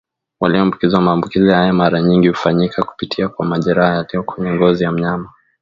walioambukizwa Maambukizi haya mara nyingi hufanyika kupitia kwa majeraha yaliyo kwenye ngozi ya mnyama